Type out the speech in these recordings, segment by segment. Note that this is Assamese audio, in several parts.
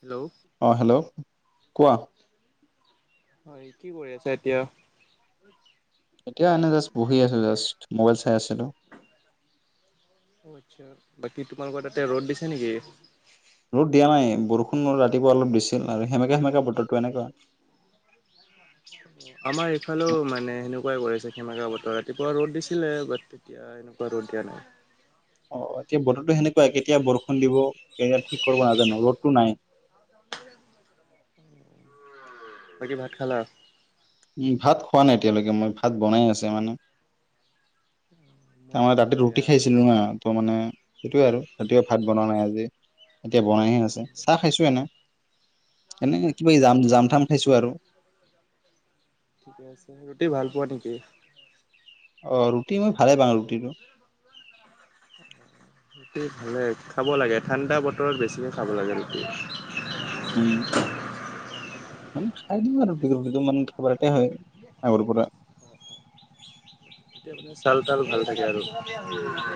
হেল্ল? অ, হেল্ল, কোৱা? হয়, কি কৰি আছা এতিয়া? এতিয়া, এনে জাচ বহি আচো মাই আচ্ছা বাকী তোমালোকৰ তাতে ৰ'দ দিছো নেকি। ৰ'দ দিয়া নাই, বৰষুণ ৰাতিপুৱা অলপ দিছিল, আৰু সেমেকা, সেমেকা বতৰটো এনেকুৱা। সীমাকা বতৰ ৰাতিপুৱা ৰ'দ দিছিলে। বাট তেতিয়া এনেকুৱা ৰ'দ দিয়া নাই। অ, এতিয়া বতৰো সেনেকুৱা, কেতিয়া বৰষুণ দিব, কেতিয়া ঠিক কৰিব নাজানো, ৰ'দতো নাই। বাকী, ভাত খালা? উ, ভাত খোৱা নাই, এতিয়ালৈকে মই ভাত বনাই আছে মানে। মই তাৰমানে খালোঁ তাতে দিয়া। ৰুটি খাইছিলো ন, ত, মানে সেইটোয়ে আৰু ৰাতি ভাত বনোৱা নাই আজি। এতিয়া বনাইহে আছে, চাহ খাইছো এনে। এনে কিবা অ জাম, অ জামথাম খাইছো আৰু। ঠিকে আছে ৰুটি [inaudible] অ, ৰুটি মই ভালে পাওঁ ৰুটিটো। [inaudible] ভালে খাব লাগে, ঠাণ্ডা বতৰত বেছিকে খাব লাগে নেকি। উম। মানে খাই দিওঁ আৰু ৰুটি, ৰুটিটো মে খবাৰতে হয়। আগৰ পৰা তিয়া মে, চাউল, তাউল ভাল থাকে, আৰু।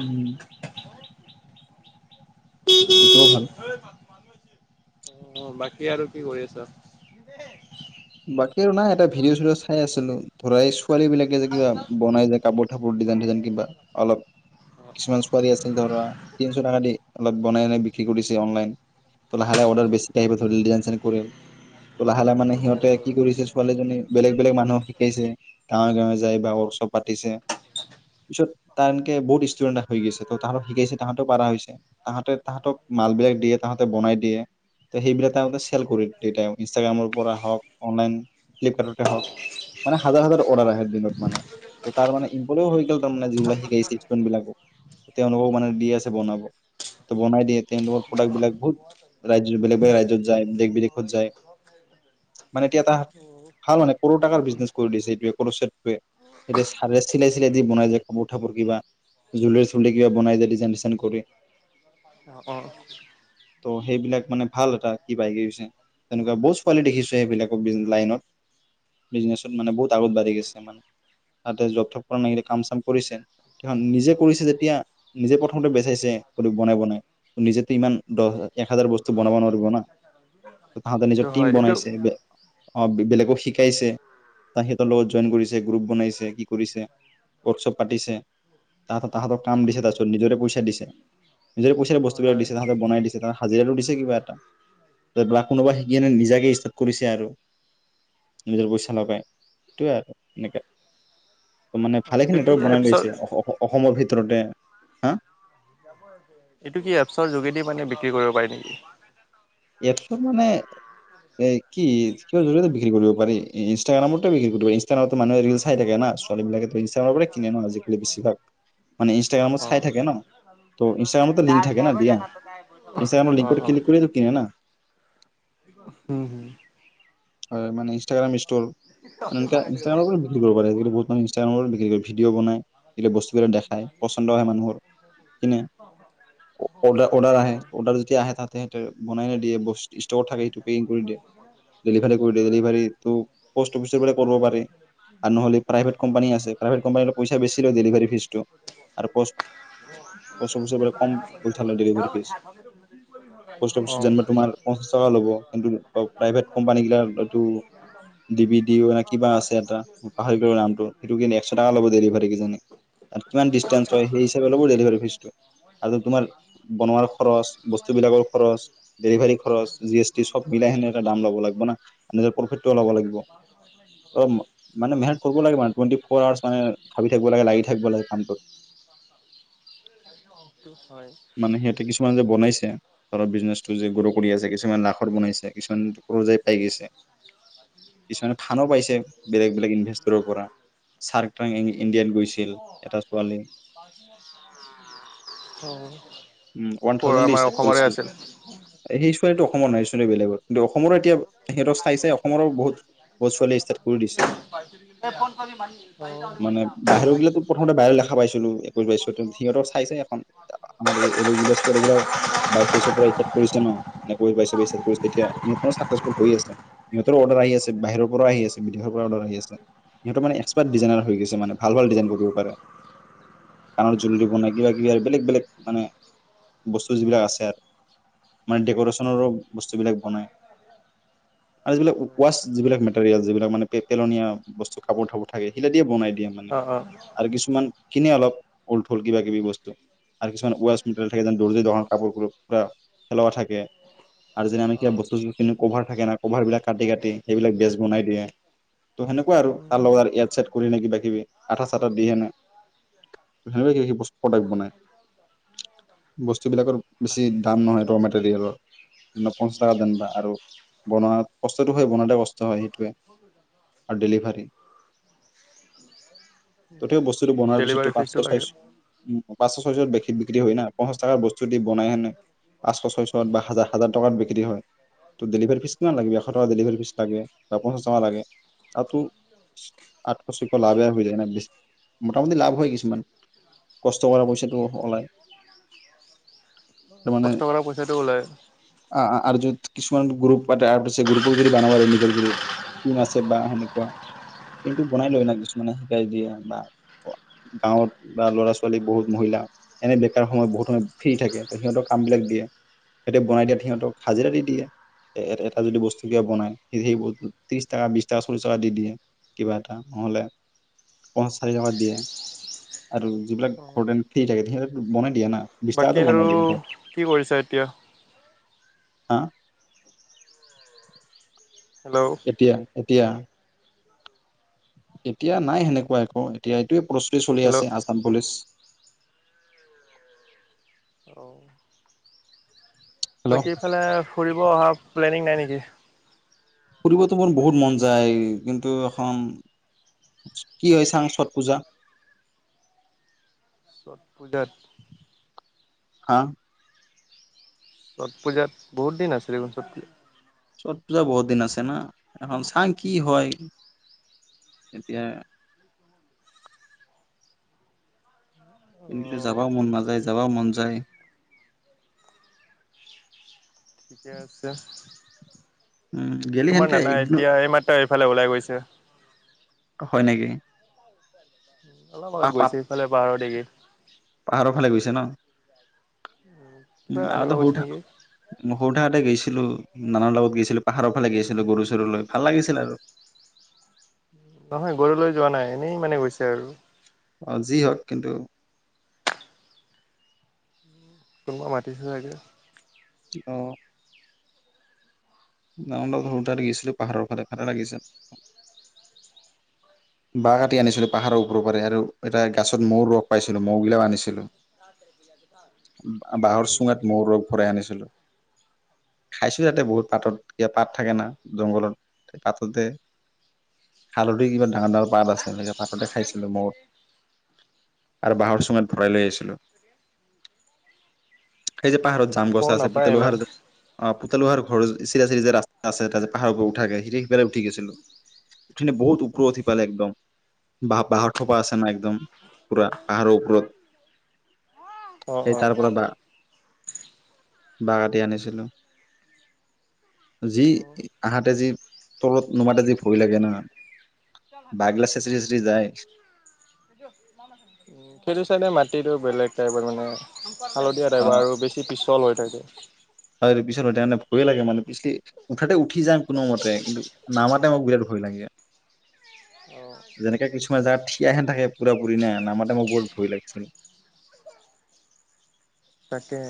উম। সেইটো ভাল। অ, বাকী আৰু কি, কৰি আচা? বাকী আৰু নাই, এটা ভিডিঅ, চিডিঅ চাই আছিলো ধৰা ছোৱালী বিলাকে যে কিবা বনাই যোয় কাপোৰ থ ডিজাইনিজাইন কা, অলপ কিছুমান ছোৱালী আছিল ধৰা তিনশ টকা দি অলপ বনাইাই বিক্ৰী কৰিছে অনলাইনত, লাহে, লাহে অৰ্ডাৰ বেছিক আহিব ধৰি ডিজাইন চ, কৰিল। ত, লাহ মানে অ সিহতে কি কৰিছে ছোৱালীজনী বেলেগ, বেলেগ মানুহক শিকাইছে গাঁৱৰ, গাঁৱে। ব, পাতিছে, পিছত ত, এনেকে বহুত ষ্টুডেন্ট গছে তাহত শিকাইছে তাহাঁ ত, পাৰা হৈছে। তাহাঁতে, তাহাঁতক মাল বিলাক দিয়ে তাহাঁতে বনাই দিয়ে। ত, সেইবিলাক তহতে চেল কৰি ইনষ্টাগ্ৰামৰ পৰা হওক অনলাইন ফ্লিপকাৰ্টতে হওক মানে হাজাৰ, হাজাৰ অৰ্ডাৰ আহে দিনত মানে। ত, তাৰ মে, ই্প হৈ গ'ল তাৰ মে যিলাক শিক বিলাকক তেওঁলোকক মানে দি আছে বনাব। ত, বনাই দিয়ে। তেওঁলোকৰ প্ৰডাক্ট বিলাক বহুত ৰাজ্য বেলেগ, বেলেগ ৰাজ্যত যায় দেশ, বিদেশত যায়। [inaudible] মানে এতিয়া এটা অ ভাল মানে কৰ টকাৰ বিজনেছ কৰি দিছে, এইটোৱে, কৰটোৱে। এতিয়া চাৰে চিলাই, চিলাই দি বনাই যায়। কাপোৰ, কাপোৰ কিবা জুল, চুলি কিবা, বনাই যায় দি অ', অ'। ত, সেইবিলাক মানে ভাল এটা কি বাই গৈছে, তেনেকুৱা বহুত চোৱালী দেখিছো। [unintelligible] বেলেগত লাইনত, বিজনেছত মানে বহুত আগত বাঢ়ি গেছে মানে, সিহঁতে জব কাম, চাম কৰিছে, নিজে যেতিয়া নিজে প্ৰমতে বেছে, বনাই, বনাই নিজ ইমান দহ এক হাজাৰ বস্তু ব বনাব নোৱাৰিব না, ত' তাহঁতে নিজৰ টীম হয় এইটো বনাইছে, অ', বেলেগ আকৌ, শিকাইছে। তাহিতৰ লগত জইন কৰিছে, গ্ৰুপ বনাইছে, কি, কৰিছে ৱৰ্কশ্বপ পাতিছে। তাহাঁ, তাহাঁত কাম দিছে, তাৰ পিছত নিজৰে পইচা দিছে, নিজৰে পইচাৰে হয় বস্তুবিলাক হয় দিছে তাহাঁতে বনাই দিছে। তাহ হাজিৰাটো দিছে কিবা এটাক কোনোবা শিকি ন, নিজাকে কৰিছে আৰু নিজৰ পইচা লগাই সেইটোৱে আৰু এনেকৈ। ত, মানে অ', এইটো ভালেখিনি কি নেটৱৰ্ক বনাই এপছৰ লৈছে অসমৰ ভিতৰতে, হা? এইটো কি এপছৰ যোগেদি মানে বিক্ৰী কৰিব পাৰি নেকি? এছো মানে এ কি জৰিয়তে বিক্ৰী কৰিব পি ইনষ্টাগ্ৰামত বিক্ৰী কৰিব ইনাগ্ৰামত মানুহে খাই থাকে ন ছোৱালীবাকেো ইনষ্টাগ্ৰামৰে কিন আনো আজিকালি বছিভাগ। ত ইনষ্টাগ্ৰামতো লিংক থাকে না দিয়া অ-অ, ইনষ্টাগ্ৰামৰ লিংকত ক্লিক কৰিয়েতো কিনে না হম, হয় মানে ইনষ্টাগ্ৰাম ষ্টৰ এ ইনষ্টাগ্ৰৰ পৰা বিক্ৰী কৰিব প আজি বহু মান ইষ্টাগাম বিক্ৰী কৰি ভিডিঅ বনাই। এই বস্তুবিলাক দেখাই পচন্দ হয় মানুহৰ কিনে অ' অৰ্ডাৰ আহে অ', অৰ্ডাৰ যদি আহে তাতে সহতে বনাই নে দিয়েস ষ্ট থাকে সেইটো হেৰি কৰি দিয়ে, ডেলিভাৰী কৰি দিয়ে ডেলিভাৰী টো পষ্ট অফিচৰ পৰা কৰিব পাৰি। কোম্পানীৰ পইচা বেছি লয় ডেলিভাৰী ফিজটো আৰু পষ্ট [unintelligible] পষ্ট অফিচৰ পৰা কম পইচা লয় ডেলিভাৰী ফিজ পষ্ট অফিচত যেনিবা তোমাৰ পঞ্চাছ অহ। লব কিন্তু প্ৰাইভেট কোম্পানী গিলা এইটো ডিভি ডি কিবা আছে এটা পাহৰি নামটো সেইটো কি একশ টকা ল'ব ডেলিভাৰী কিজানী? কিমান ডিচেঞ্চ হয় সেই হিচাপে ল'ব ডেলিভাৰী ফিজ আৰু তোমাৰ বনোৱাৰ খৰচ বস্তু, বিলাকৰ খৰচ ডেলিভাৰী খৰচ জি এছ টি চব মিলাই সেনে এটা দাম ল'ব লাগিব না। নিজৰ প্ৰফিটটো ওলাব লাগিব। অ' মানে অ', মেহনত কৰিব লাগে মানে টুৱেটি ফৰ আৱাৰ্চ মানে ভাবি থাকিব লাগে লাগি থাকিব লাগে কামটোত। টো [unintelligible] মানে সিহঁতে কিছুমান যে বনাইছে ধৰৰ বিজনেচটো যে গ্ৰ' কৰি আছে। কিছুমান লাখত বনাইছে কিছুমান, ৰজাই পাই গৈছে কিছুমানে ফানো পাইছে বেলেগ-বেলেগ ইনভেষ্টৰৰ পৰা। চাৰ্কটাং ইণ্ডিয়াত গৈছিল এটা ছোৱালী। অ উম, ওৱান ক'ৰ থাউজেণ্ড দি আমাৰ ষ্টাৰ্ট অসমৰে কৰিছিল আছিল। সেই ছোৱালীটো অসমৰ নহয়। বেলেগৰ কিন্তু অসমৰো এতিয়া সিহঁতৰ চাই-চাই অসমৰো বহুত ছোৱালীয়ে ষ্টাৰ্ট কৰি দিছে। মানে বাহিৰ গিলাতো প্ৰথমতে বাহিৰ দেখা পাইছিলো এক পাইছো সিহঁতক চাই-চাই, আমাৰ এই এ গিল এগও বাইশ ত্ৰিশৰ পৰা ষ্টাৰ কৰিছে ন, বাইশ পৰা কৰিছে তেতিয়া ইঁতৰ চাক্সেছফুল হৈ আছে। ইহঁতৰোঁ অৰ্ডাৰ আহি আছে বাহিৰৰ পৰাও আহি আছে বিদেশৰ পৰা অৰ্ডাৰ আহি আছে। সিহঁতৰ মানে একসপাৰ্ট ডিজাইনাৰ হৈ গৈছে মানে ভাল-ভাল ডিজাইন কৰিব পাৰে। কাণৰ জুলৰি বনাই কিবা-কিবি আৰু বেলেগ-বেলেগ, মানে বস্তু যিবিলাক আছে আৰু মানে ডেক'ৰেচনৰো বস্তুবিলাক বনায়। আৰু যিবিলাক ৱাছ যিবিলাক মেটেৰিয়েল যিবিলাক মানে পেলনীয়া বস্তু কাপোৰ তাপোৰ থাকে সেইবিলাক দিয়ে বনাই দিয়ে মানে অ', অ'। আৰু কিছুমান, খিনিয়ে অলপ অলঠল কিবা কিবি বস্তু। আৰু কিছুমান ৱেষ্ট মেটেৰিয়েল থাকে যেন দৰজী দোকান কাপোৰ পেলোৱা থাকে। আৰু যেদি আমি সেই বস্তু কিনো কভাৰ থাকে না কভাৰ বিলাক কাটি-কাটি সেইবিলাক বেজ বনাই দিয়ে। ত' সেনেকুৱা আৰু তাৰ লগত এড সেত কৰিলে কিবা-কিবি, আঠা চাঠটা দিকেনে সেনেকুৱা কি বস্ত প্ৰডাক্ট বনাই। উ [unintelligible] বস্তুবিলাকৰ বেছি দাম নহয় ৰ' মেটেৰিয়েলৰ পঞ্চাছ টকা যেনিবা। আৰু বনোৱা কষ্টতটো হয়, বনতে কষ্ট হয় সেইটো। আৰু ডেলিভাৰী তথাপিও বস্তুটো বনোৱাৰ পিছতো ডেলিভাৰী পাঁচছ ফিজটো লাগে, ছয়চ উম, পাঁচছ ছয়ছত বিক্ৰী হয় না। পঞ্চাছ টকাৰ বস্তু দি বনাই কেনে পাঁচছ ছয়ছত বা হাজাৰ টকাত বিক্ৰী হয়। ত' ডেলিভাৰী ফিজ কিমান লাগিব এশ টকা ডেলিভাৰী ফিজ লাগে বা পঞ্চাছ টকা লাগে আৰু তো আঠশ, ছয়শ লাভ এ হৈ যায় নে মোটামুটি লাভ হয় কিছুমান। কষ্ট কৰ পইচাটো ওলাই। মানে কষ্ট কৰা পইচাটো ওলায়। অ' আৰ্জুত, কিছুমান গ্ৰুপ বা আৰ্ট আছে গ্ৰুপক যদি বনাব লে নিজৰ যদি টিম আছে বা সেনেকুৱা। কিন্তু বনাই লয় না কিছুমানে শিকাই দিয়ে বা গাঁৱত বা ল'ৰা ছোৱাল ছোৱালী বহুত মহিলা এনে বেকাৰ সময়ত বহুত মান ফ্ৰী থাকে ত সিহঁতৰ কাম বিলাক দিয়ে সিঁহতে বনাই দিয়ে সিহঁতক হাজিৰা দি দিয়ে এ এটা যদি বস্তু কিয় বনাই স সেই ত্ৰিশ টকা বি টকা চল্লিশ টকা দি দিয়ে কিবা এটা নহলে পচ চাৰি টকা দিয়ে আৰু যিবিলাক ঘ থ থাকে তু মনে দিয়া [inaudible] বাকী আৰু কি কৰিছা এতিয়া হা হেল্ল', এতিয়া এতিয়া এতিয়া নাই হেনেকুৱা আকৌ এতিয়া এইটোোৱে প্ৰস্তুতি চলি হেল্ল'। আছে আসাম পুলিচ অ হেল্ল' বাকীফালে ফুৰিব অহা প্লেনিং নাই নেকি ফুৰিবতো মোৰ বহুত মন যায় কিন্তু এখন কি হয় ছাং ছট পূজা ছট পূজাত হা ছট পূজাত বহুত দিন আছে দেখোন ষট পূজা ছট পূজা বহুত দিন আছে না এখন চাং কি হয় এতিয়া [unintelligible] কিন্তু অ', যাবাও মন নাযায় যাবাও মন যায় ঠিকে আছে উম, গেলি তোমাৰ সেনকে নানা একদিনত এতিয়া এইমাত্ৰ এইফালে ওলাই গৈছে হয় নেকি? অলপ পা আগত পা গৈছে সেইফালে পাহাৰৰ দেগি উ কিবা আনিব আৰু গৈছে হঠা নেকি? সতে গৈছে [inaudible] নানাৰ লগত গৈছিলো পাহাৰৰ ফালে গৈছিলো গৰু চৰু লৈ ভাল লাগিছিল আৰু নহয় গৰু লৈ যোৱা নাই এনেই মানে গৈছে আৰু অ যি হওক কিন্তু কোনোবা মাটি চ চাকে অহ গাউণ্ডত সৰু তাৰে গিছিলো পাহাৰৰ ফালে ফালে লাগিছিল বাঁহ কাটি আনিছিলো পাহাৰৰ ওপৰৰ পৰা আৰু এটা গছত মৌ ৰস পাইছিলো মৌ গিলাকও আনিছিলো বা- বাঁহৰ চুঙাত মৌৰ ৰস ভৰাই আনিছিলো। উম খাইছো যাতে বহুত পাতত ক পাত থাকে না জংঘলত সেই পাততে হালধিৰ কিবা ডাঙৰ ডাঙৰ পাত আছে এনেকে ভাততে খাইছিলো মৌ আৰু বাঁহৰ অ', চঙত ভৰাই লৈ আহিছিলো সেই যে পাহাৰত জাম আজিকালি গছা ময়ো আছে নাপায় পুটল ইমান। পাহাৰ অ আৰু ঘৰ চিৰা চিৰি যে ৰাস্তা আছে ত পাহাৰৰ উঠাকে সি সিফালে উঠি গৈছিলো বহু ওপৰত অ', পালে একদম বাঁহৰ পৰা আছে নাই এক একদম পুৰা পাহাৰৰ ওপৰত অ', সেই অ'। তাৰ পৰা বা বাঁহ কাটি আনিছিলোঁ যি অ', আহাতে যি তলত নোমাতে যি ভয় লাগে না [unintelligible] বাঁহগিলা চেচৰি চেচৰি যায় উ সিটো চাইডে মাটিতো বেলেগ টাইপৰ মানে হালধীয়া টাইপৰ আৰু বেছি পিছল হৈ থাকে হয় পিছতাৰ মানে ভয়ে লাগে মানে পিছলি উঠাতে উঠি যাম কোনো মতে কিন্তু নামাতে মোক বিৰাট ভয় লাগে [unintelligible] অ', যেনেকাে কিছুমান যাৰ থিয়হেন থাকে পুৰা পুৰি নে নামাতে মই বহুত ভয় লাগিছিল তাকে।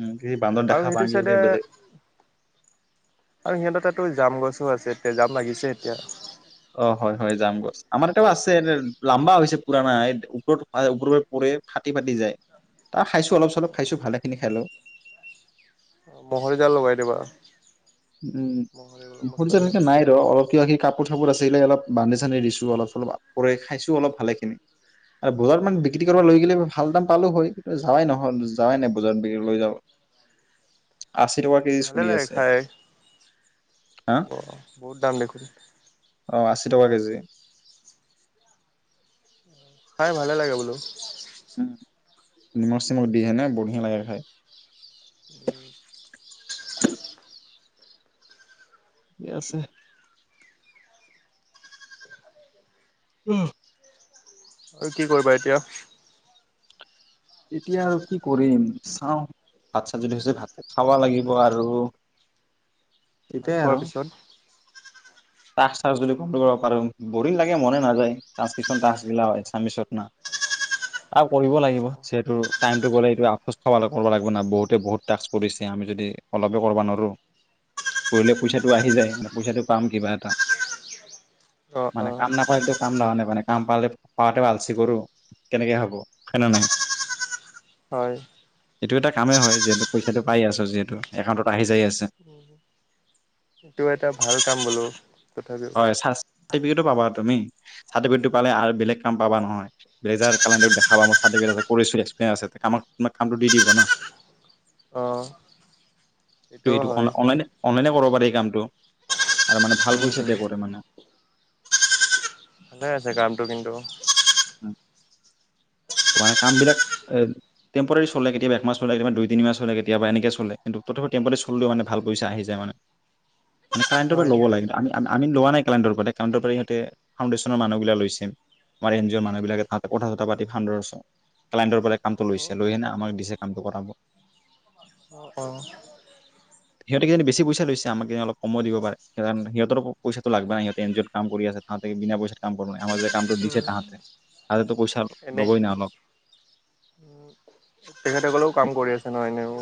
উম, কি বান্দৰ আৰু দেখা সেইটো পাাম চাইডে গ বেলেগ। আৰু সিহঁত এ তাতো জাম গছো আছে এতিয়া জাম লাগিছে এতিয়া। অ' হয় হয় যাম গছ আমাৰ এটাও আছে লাম্বা হৈছে পুৰণা এই ওপৰত ওপৰ পৰি ফাটি- ফাটি যায় তাৰ খাইছো অলপ চলপ খাইছো ভালে খিনি খালোঁ। ম'হৰি জাল লগাই দিবা। উম মহৰি স মচৰি জাল এনেে নাই ৰ অলপ ক সি [inaudible] কাপোৰ - চাপোৰ আছিলে অলপ বান্ধি চানি দিছো অলপ - চলপ আপৰে খাইছো অলপ ভালে খিনি। আৰু বজাৰত মান বিক্ৰী কৰিব লৈ গিললে ভাল দাম পালো হয় কিন্তু যাৱাই নহয় যাৱাই নাই বজাৰত বিক্ৰী লৈ যাব। [inaudible] আশী টকা কেজি ভালে চলি লাগে আছে এনে। খাই অ বহুত দাম দেখোন। কে টকা কেজি? খাই ভালে লাগে বোলো। নিমখ চিমখ দি এনে বঢ়িয়া লাগে খাই। উম। কে আছে। অহ। আৰু কি কৰিবা এতিয়া? এতিয়া আৰু কি কৰিম চাও। ভাত চাত যদি হৈছে ভাত চাত খাব লাগিব আৰু। ভাত খোৱাৰ পিছত? তাচ চাচ যদি [unintelligible] কৰিব পাৰোং, বৰিং লাগে মনে নাযায় তাঁচ কিছুমান তাচবিলাক আচামিছত না। আৰু কৰিব লাগিব যিহেতু টাইমটো গ'লে এইটো আফোচ থবালে কৰব লাগব না বহুতে বহুত টাস্ক কৰিছে। আমি যদি অলপে কৰিব নোৱাৰো কৰিলে পইচাটো আহি যায় পইচাটো পাম কিবা তা অ মানে অ কাম নাপালে কাম ন নাই মানে কাম পালে পয়াতে ভালছে কৰো। কেনেকে হ'ব হয়নে নাই। [unintelligible] এইটো এটা কামেই হয়, যিহেতু পইচাটো পাই আছো, যিহেতু একাউণ্টত আহি যায় আছে। এইটো এটা ভাল কাম বোলো। তথাপিও হয়। চাৰ্তিপিকেটো চাৰ্টিফিকেটো পাবা তুমি। চাৰ্টিফিকেটো পালে আৰু বেলেগ কাম পাবা নহয়। লেজাৰ কেলেন্ডাৰ দেখাবা মোৰ চাৰ্টিফিকেট আছে। এক্সপিৰিয়েনছ আছে, কামাক তোমাক কামটো দি দিব ন। অহ'। এ এই অনলাইনে। অনলাইনে কৰিব পাৰি কামটো, আৰু মানে ভাল উম পইচা উম পে কৰে মানে। [unintelligible] ভালে আছে কামটো কিন্তু। উম'। ত' মানে কামবিলাক এ টম্পৰী চলে, কেতিয়াবা একমাহ চলে, কেতিয়াবা দুই তিনি মাহ চলে, কেতিয়াবা এনেকে চলে কিন্তু তথাপি‌ টম্পৰালি চললেও, মানে ভাল পইচা আহি যায় মানে। [inaudible] মানে কাইণ্টৰ পৰা হয় ল'ব লাগে, কিন্তু আমি আমি আমি লোৱা নাই [unintelligible] কাইণ্টৰ পৰা কাইণ্টৰ পৰা ইহঁতে, ফাউণ্ডেচনৰ মানুহবিলাক লৈছে। আমাৰ ইনজি অৰ মানুহিলাকে তাত কথা-চথা পাতি [unintelligible] কাইণ্টৰ পৰা কামটো অ লৈছে লৈ হেনে আমাক দিছে কামটো কৰাব। অহ'। সিহঁতেক কিজানি বেছি পইচা লৈছে, আমাক কিজানি অলপ কমো দিবা পাৰে, সিহঁতৰ পইাটো লাগবা ন সহঁতে এনজি অত কাম কৰি তাহাঁতে বিনা পইচাৰ কাম কৰা নাই, আমাৰ যে কামটো দিছে তাহাঁতে, হাতেতো পইচা এনেই নবৈ ন আনক। তেখেতসকলেও কাম কৰি আছে নহয় এনেও।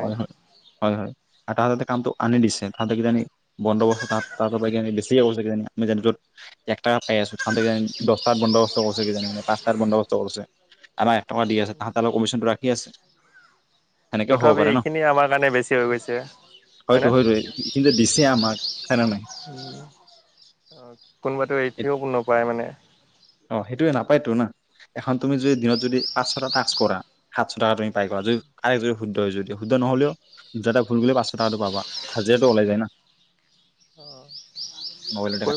হয়, হয়। হয়, হয়। আৰু তাহাতে কামটো আনি দিছে তাহাতে কিজানি বন্দবস্ত ত পৰা বেছিয় হ'ব কিজানি [unintelligible] একটাক পাই আছো তাহাতে কিজানী দছটাত বন্দোবস্ত কৰিছে কি জানি কি পাঁচটাত বন্দোবস্ত কৰিছে। আমাক এক টকা দি আছে তাহাতৰ পৰা কমিশ্যনটো ৰাখি আছে। সেনেকেও হ'ব তথাপি পাৰে ন এইখিনি আমাৰ কাৰণে বেছি হৈ গৈছে হয় হয়তো ন। হয়তো কিন্তু দিছে আমাক হয় নে নাই উম, কোনোবাটো এইৰি থেও নোপায় মানে। অ' সেইটোয়ে নাপায়তো না। এখন তুমি যদি দিনত যদি পাঁচশ টা টাচক কৰা সাতশ টকা তুমি পাই গলা যদি [unintelligible] যদি শুদ্ধ হয় যদি শুদ্ধ নহ'লেও যটি ভুল কৰিলে পাঁচশ তাকাতো পাবা। হাজিৰাটো ওলাই যায় না। [inaudible] মবালত কৈ